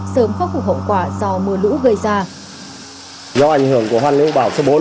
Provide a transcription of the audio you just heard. sớm khắc phục hậu quả do mưa lũ gây ra